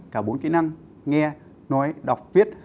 cả bốn kỹ năng nghe nói đọc viết